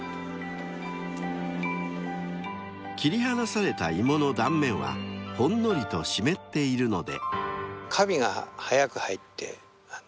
［切り離されたイモの断面はほんのりと湿っているので］